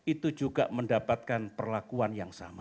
itu juga mendapatkan perlakuan yang sama